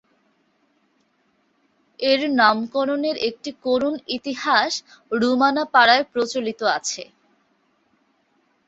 এর নামকরণের একটি করুন ইতিহাস রুমানা পাড়ায় প্রচলিত আছে।